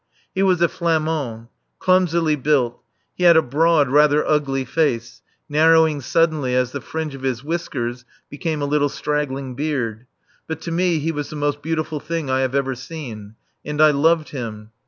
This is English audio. He was a Flamand, clumsily built; he had a broad, rather ugly face, narrowing suddenly as the fringe of his whiskers became a little straggling beard. But to me he was the most beautiful thing I have ever seen. And I loved him.